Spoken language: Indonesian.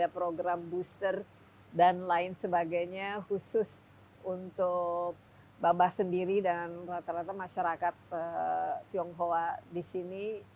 pertanyaan kepada masyarakat tionghoa disini